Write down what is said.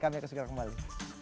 kami akan segera kembali